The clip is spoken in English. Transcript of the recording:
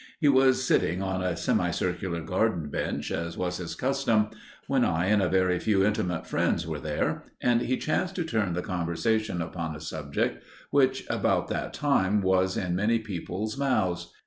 He was sitting on a semicircular garden bench, as was his custom, when I and a very few intimate friends were there, and he chanced to turn the conversation upon a subject which about that time was in many people's mouths.